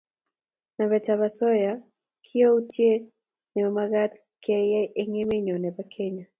Nametab osoya kiyoutiet ne mamagat keyai eng emenyo nebo Kenya